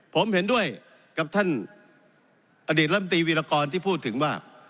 ผมเห็นด้วยกับท่านอดีตลำตีวิรากรที่พูดถึงว่า